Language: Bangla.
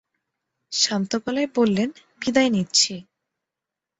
শান্ত গলায় বললেন, বিদায় নিচ্ছি।